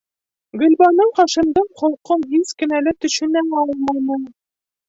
Гөлбаныу Хашимдың холҡон һис кенә лә төшөнә алманы.